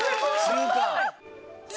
中華！